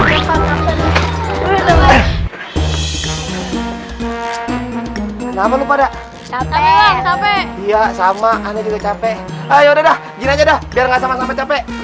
hai apa lupa tak capek sama sama capek aja deh biar nggak sama sama capek